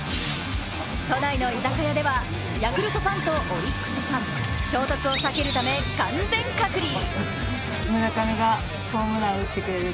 都内の居酒屋では、ヤクルトファンとオリックスファン、衝突を避けるため、完全隔離。